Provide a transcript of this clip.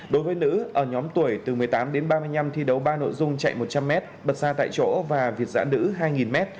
đối với nữ ở nhóm tuổi từ một mươi tám đến ba mươi năm thi đấu ba nội dung chạy một trăm linh m bật xa tại chỗ và vịt giã nữ hai m